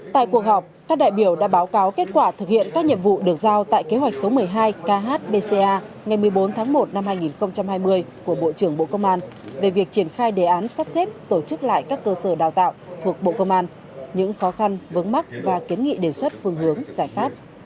tại cuộc họp các đại biểu đã báo cáo kết quả thực hiện các nhiệm vụ được giao tại kế hoạch số một mươi hai khbca ngày một mươi bốn tháng một năm hai nghìn hai mươi của bộ trưởng bộ công an về việc triển khai đề án sắp xếp tổ chức lại các cơ sở đào tạo thuộc bộ công an những khó khăn vướng mắt và kiến nghị đề xuất phương hướng giải pháp